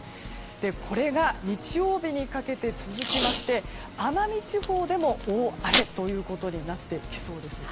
これが日曜日にかけて続きまして奄美地方でも大荒れということになってきそうです。